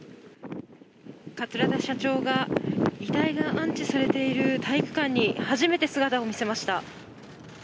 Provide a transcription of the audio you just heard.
桂田社長が遺体が安置されている体育館に初めて姿を見せました。